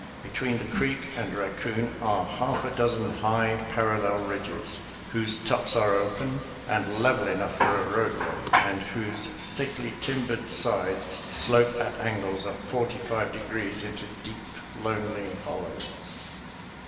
Between the creek and Raccoon are half a dozen high, parallel ridges, who^e tops are open and level enough for a roadway, and whose thickly timbered sides slope at angles of forty five de grees into deep, lonely hollows.